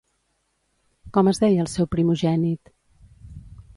Com es deia el seu primogènit?